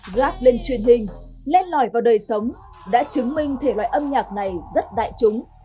grab lên truyền hình lên lòi vào đời sống đã chứng minh thể loại âm nhạc này rất đại chúng